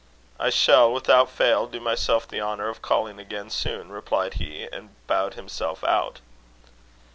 "I shall, without fail, do myself the honour of calling again soon," replied he, and bowed himself out.